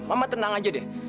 mama tenang aja deh